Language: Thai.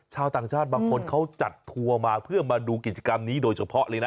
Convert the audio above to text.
ชาวต่างชาติบางคนเขาจัดทัวร์มาเพื่อมาดูกิจกรรมนี้โดยเฉพาะเลยนะ